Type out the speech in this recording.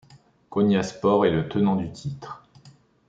Konyaspor est le tenant du titre.